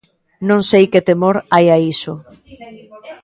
Non sei que temor hai a iso.